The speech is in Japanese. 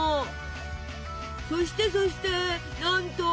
そしてそしてなんと！